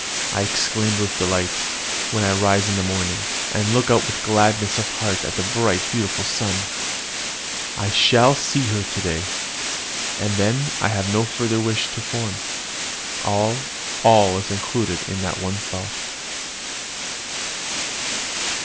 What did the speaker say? I exclaim with delight, when I rise in the morning, and look out with gladness of heart at the bright, beautiful sun. "I shall see her today!" And then I have no further wish to form: all, all is included in that one thought.